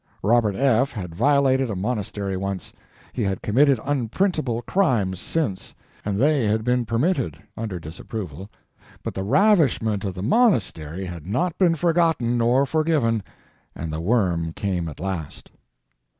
Robert F. had violated a monastery once; he had committed unprintable crimes since, and they had been permitted—under disapproval—but the ravishment of the monastery had not been forgotten nor forgiven, and the worm came at last.